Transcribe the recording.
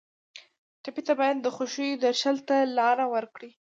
ټپي ته باید د خوښیو درشل ته لار ورکړو.